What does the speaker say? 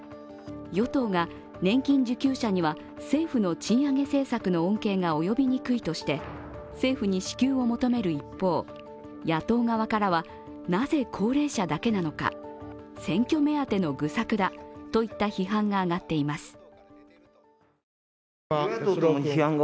与党が年金受給者には政府の賃上げ政策の恩恵が及びにくいとして、政府に支給を求める一方、野党側からは、なぜ高齢者だけなのか選挙目当ての愚策だといった批判が挙がっています。